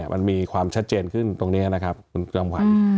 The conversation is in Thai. มันมีความชัดเจนขึ้นตรงนี้นะครับคุณจำขวัญ